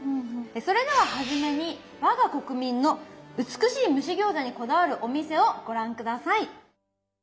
それでは初めに我が国民の美しい蒸し餃子にこだわるお店をご覧下さい。